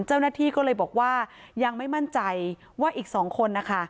เจ้าหน้าที่ก็เลยบอกว่ายังไม่มั่นใจว่าอีก๒คนนะคะ